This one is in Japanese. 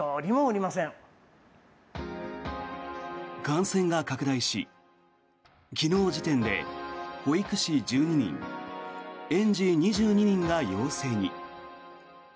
感染が拡大し、昨日時点で保育士１２人、園児２２人が陽性に。